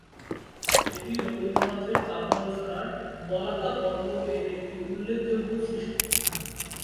এটি রবীন্দ্রনাথের কাব্য রচনার "বলাকা পর্ব"-এর একটি উল্লেখযোগ্য সৃষ্টি।